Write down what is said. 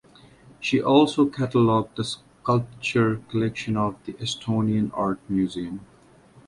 She also catalogued the sculpture collection of the Estonian Art Museum.